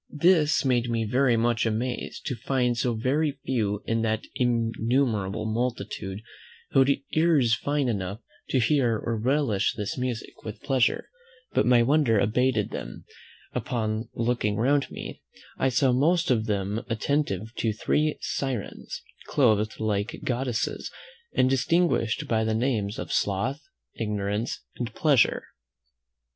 This made me very much amazed to find so very few in that innumerable multitude who had ears fine enough to hear or relish this music with pleasure; but my wonder abated when, upon looking round me, I saw most of them attentive to three Syrens, clothed like goddesses, and distinguished by the names of Sloth, Ignorance, and Pleasure.